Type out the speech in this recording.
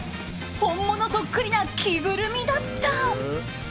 本物そっくりな着ぐるみだった。